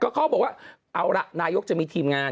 เขาบอกว่าเอาล่ะนายกจะมีทีมงาน